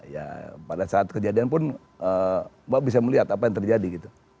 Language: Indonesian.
ya pada saat kejadian pun mbak bisa melihat apa yang terjadi gitu